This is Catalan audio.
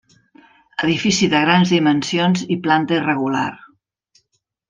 Edifici de grans dimensions i planta irregular.